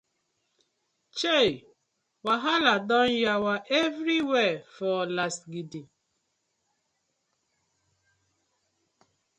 Chei, wahala don yawa everywhere for lasgidi.